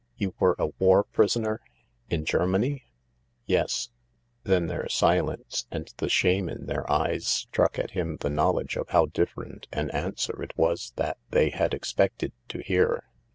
" You were a war prisoner ? In Germany ?"" Yes/' Then their silence and the shame in their eyes struck at him the knowledge of how different an answer it was that they had expected to hear.